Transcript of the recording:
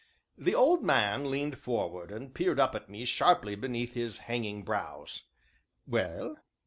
The old man leaned forward and peered up at me sharply beneath his hanging brows. "Well?"